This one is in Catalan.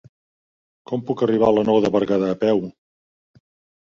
Com puc arribar a la Nou de Berguedà a peu?